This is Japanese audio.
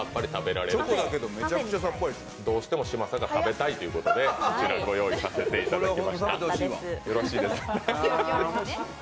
どうしても嶋佐が食べたいということでご用意させていただきました。